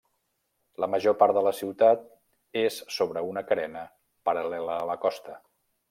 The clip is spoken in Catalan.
La major part de la ciutat és sobre una carena paral·lela a la costa.